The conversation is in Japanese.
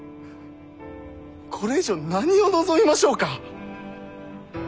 これ以上何を望みましょうか。